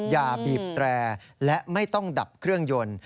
อย่าบีบแตรและไม่ต้องดับเครื่องยนต์